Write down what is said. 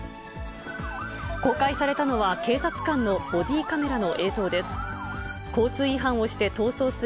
公開されたのは、警察官のボディーカメラの映像です。